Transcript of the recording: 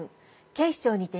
警視庁にて。